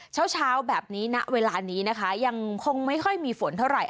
เช้าเช้าแบบนี้ณเวลานี้นะคะยังคงไม่ค่อยมีฝนเท่าไหร่